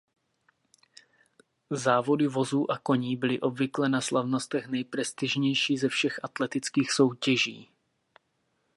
Závody vozů a koní byly obvykle na slavnostech nejprestižnější ze všech atletických soutěží.